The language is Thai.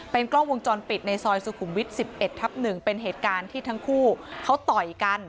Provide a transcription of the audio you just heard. กล้องวงจรปิดในซอยสุขุมวิทย์๑๑ทับ๑เป็นเหตุการณ์ที่ทั้งคู่เขาต่อยกัน